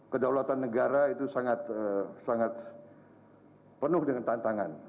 kedaulatan negara itu sangat penuh dengan tantangan